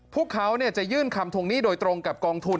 พวกเขาจะยื่นคำทวงหนี้โดยตรงกับกองทุน